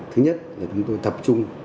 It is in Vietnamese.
thứ nhất là chúng tôi tập trung